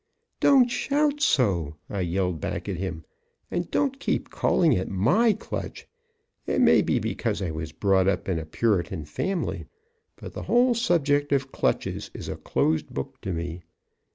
"Don't shout so!" I yelled back at him. "And don't keep calling it my clutch! It may be because I was brought up in a Puritan family, but the whole subject of clutches is a closed book to me.